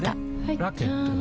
ラケットは？